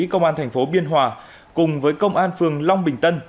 công an thành phố biên hòa cùng với công an phường long bình tân